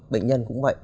bệnh nhân cũng vậy